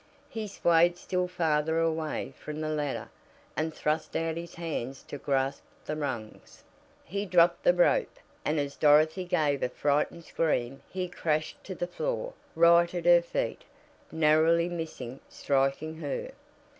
He swayed still farther away from the ladder, and thrust out his hands to grasp the rungs. He dropped the rope, and as Dorothy gave a frightened scream he crashed to the floor, right at her feet, narrowly missing striking her.